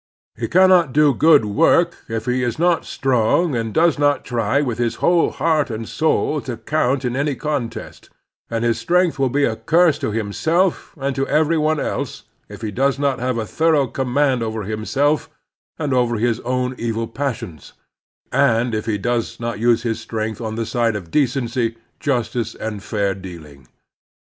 He cannot do good work if he is not strong and does not try with his whole heart and soul to count in any contest; and his strength will be a curse to himself and to every one is8 The Strenuous Life dse if he does not have thorough command over himself and over his own evil passions, and if he does not use his strength on the side of decency, justice, and fair dealing.